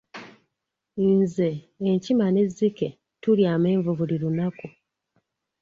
Nze, enkima n'ezzike tulya amenvu buli lunaku.